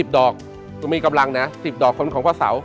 ๑๐ดอกตรงนี้กำลังนะ๑๐ดอกของพระเสา